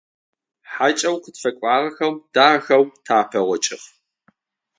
ХьакӀэу къытфэкӀуагъэхэм дахэу тапэгъокӀыгъ.